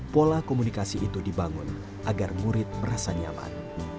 pola komunikasi itu dibangun agar murid merasa nyaman